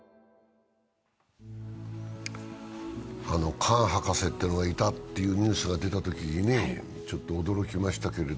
カーン博士がいたというニュースが出たときちょっと驚きましたけど、